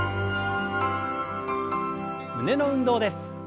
胸の運動です。